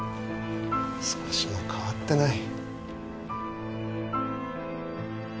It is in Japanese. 少しも変わってない。